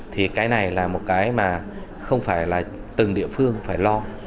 thì cái này là một cái mà không phải là từng địa phương phải lo